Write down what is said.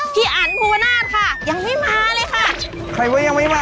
พี่อันภูวนาศค่ะยังไม่มาเลยค่ะใครว่ายังไม่มา